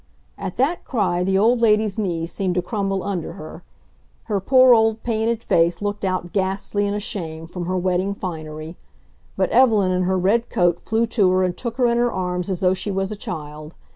At that cry the old lady's knees seemed to crumble under her. Her poor old painted face looked out ghastly and ashamed from her wedding finery. But Evelyn in her red coat flew to her and took her in her arms as though she was a child.